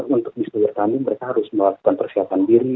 untuk di seluruh kami mereka harus melakukan persiapan diri